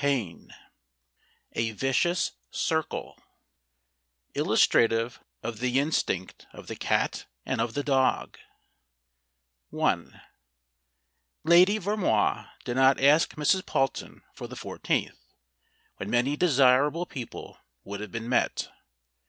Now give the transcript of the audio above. XI A VICIOUS CIRCLE ILLUSTRATIVE OF THE INSTINCT OF THE CAT AND OF THE DOG LADY VERMOISE did not ask Mrs. Palton for the 1 4th, when many desirable people would have been met.